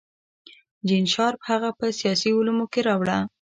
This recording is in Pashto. جین شارپ هغه په سیاسي علومو کې راوړه.